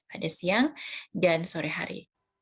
pada siang dan sore hari